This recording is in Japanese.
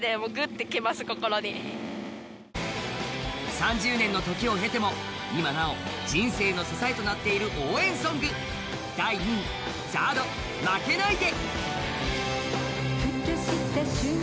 ３０年の時を経ても今なお、人生の支えとなっている応援ソング第２位ＺＡＲＤ、「負けないで」。